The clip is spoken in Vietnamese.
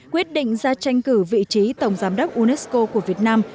quyết định ra tranh cử vị trí tổng giám đốc unesco của việt nam